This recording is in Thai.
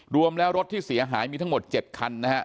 รวมแล้วรถที่เสียหายมีทั้งหมด๗คันนะฮะ